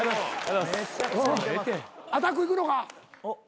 アタックいくのか？